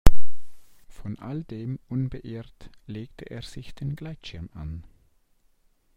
Von all dem unbeirrt, legt er sich den Gleitschirm an.